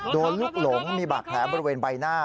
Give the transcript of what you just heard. โดนลูกหลงมีบาดแผลบริเวณใบหน้า